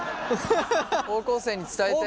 高校生に伝えて。